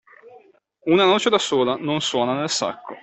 Una noce da sola, non suona nel sacco.